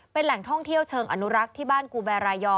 เป็นแหล่งท่องเที่ยวเชิงอนุรักษ์ที่บ้านกูแบรายอ